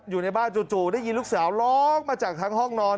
อยู่ในบ้านจู่ได้ยินลูกสาวร้องมาจากทั้งห้องนอน